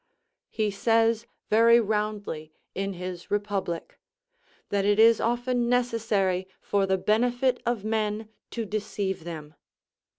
He says very roundly, in his Republic, "That it is often necessary, for the benefit of men, to deceive them."